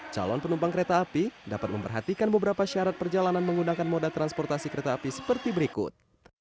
calon penumpang kereta api dapat memperhatikan beberapa syarat perjalanan menggunakan moda transportasi kereta api seperti berikut